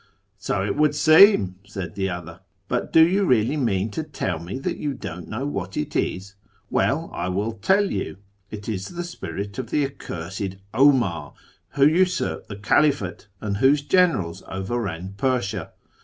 'So it would seem,' said the other; ' but do you really mean to tell me that you don't know what it is ? Well, I will tell you : it is the spirit of the accursed 'Omar, who usurped the Caliphate, and whose generals over ran Persia.